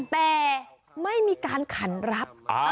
แต่ไม่มีการขันรับ